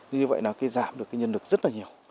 như vậy nào thì giảm được nhân lực rất là nhiều